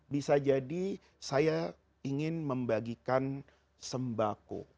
bisa jadi saya ingin membagikan sembako